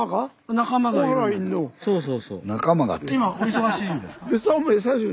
「仲間が」って。